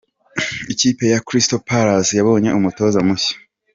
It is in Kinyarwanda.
Ikipe ya Crystal Palace yabonye umutoza mushya.